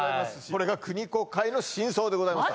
これがクニコ会の真相でございます